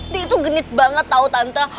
dia itu genit banget tahu tante